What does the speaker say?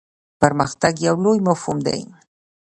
پرمختګ یو لوی مفهوم دی.